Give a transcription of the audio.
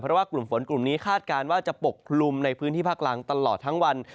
เพราะว่ากลุ่มฝนกลุ่มนี้คาดการณ์ว่าจะปกคลุมในพื้นที่ภาคล่างตลอดทั้งวัน